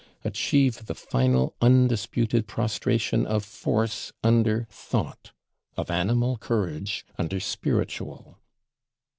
Achieve the final undisputed prostration of Force under Thought, of Animal courage under Spiritual.